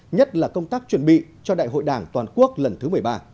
nhất là công tác chuẩn bị cho đại hội đảng toàn quốc lần thứ một mươi ba